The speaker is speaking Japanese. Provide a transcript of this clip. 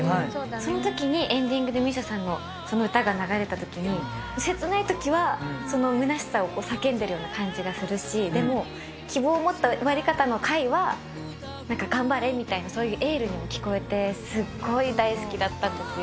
その時にエンディングでＭＩＳＩＡさんのその歌が流れた時に切ない時はそのむなしさを叫んでるような感じがするしでも希望を持った終わり方の回は頑張れ！みたいなそういうエールにも聞こえてすっごい大好きだったんですよ。